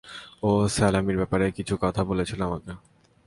ও স্যালোমির ব্যাপারে কিছু কথা বলেছিল আমাকে।